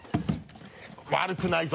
悪くないぞ！